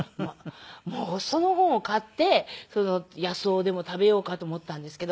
もうその本を買って野草でも食べようかと思ったんですけど。